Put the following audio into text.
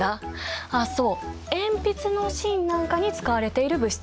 あっそう鉛筆の芯なんかに使われている物質。